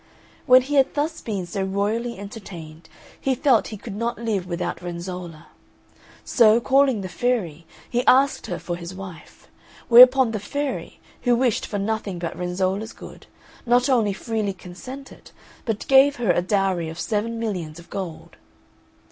When he had thus been so royally entertained, he felt he could not live without Renzolla; so, calling the fairy, he asked her for his wife. Whereupon the fairy, who wished for nothing but Renzolla's good, not only freely consented, but gave her a dowry of seven millions of gold.